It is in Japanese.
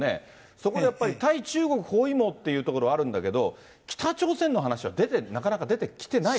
そこでやっぱり、対中国包囲網というところあるんだけど、北朝鮮の話はなかなか出てきてない。